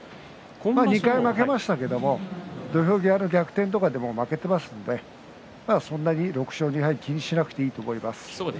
２回負けましたけれども土俵際の逆転とかで負けていますのでそんなに６勝２敗気にしなくていいと思います。